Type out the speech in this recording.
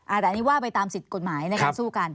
อันนี้ว่าไปตามสิทธิ์กฎหมายในการสู้กัน